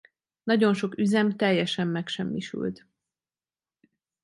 Nagyon sok üzem teljesen megsemmisült.